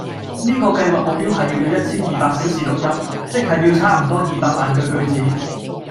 呢個計劃目標係要有一千二百小時錄音，即係要差唔多二百萬句句子